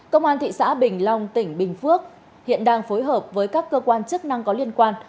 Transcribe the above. công an thị xã bình long tỉnh bình phước hiện đang phối hợp với các cơ quan chức năng có liên quan